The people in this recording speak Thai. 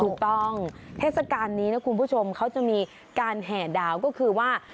ถูกต้องเทศกาลนี้นะคุณผู้ชมเขาจะมีการแห่ดาวก็คือว่า